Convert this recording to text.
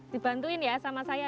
dibantuin ya sama saya